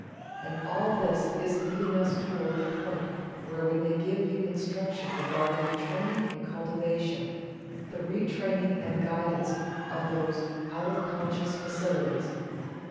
And all this is leading us toward the point where we may give you instruction regarding the training and cultivation the retraining and guidance of these out of conscious faculties.